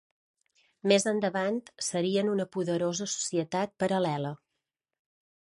Més endavant serien una poderosa societat paral·lela.